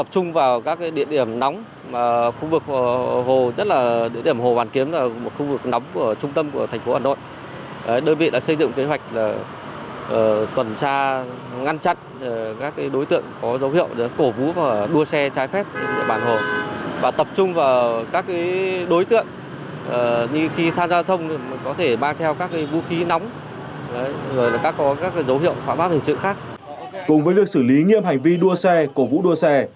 cùng với việc xử lý nghiêm hành vi đua xe cổ vũ đua xe